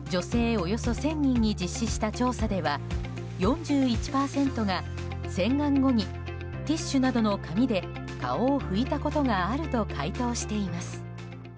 およそ１０００人に実施した調査では４１％が洗顔後にティッシュなどの紙で顔を拭いたことがあると回答しています。